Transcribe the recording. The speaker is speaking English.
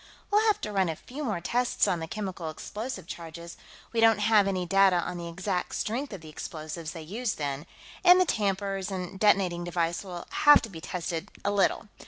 We'll have to run a few more tests on the chemical explosive charges we don't have any data on the exact strength of the explosives they used then and the tampers and detonating device will need to be tested a little.